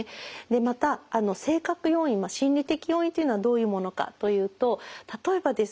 また性格要因心理的要因というのはどういうものかというと例えばですね